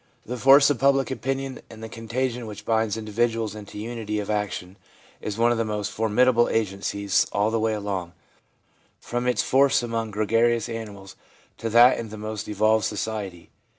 The force of public opinion and the contagion which binds individuals into unity of action is one of the most formidable agencies all the way along, from its force among gregarious animals to that in the most evolved society.